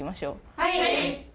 はい！